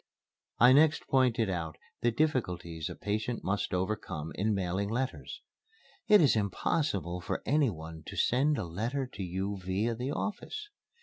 I next pointed out the difficulties a patient must overcome in mailing letters: "It is impossible for any one to send a letter to you via the office.